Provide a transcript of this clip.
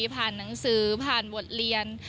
ผ่านหนังสือผ่านบทเรียน